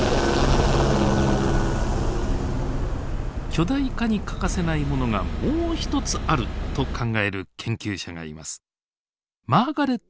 巨大化に欠かせないものがもう一つあると考える研究者がいます。